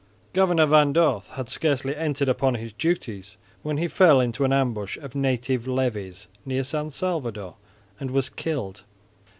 Governor Van Dorth had scarcely entered upon his duties when he fell into an ambush of native levies near San Salvador and was killed.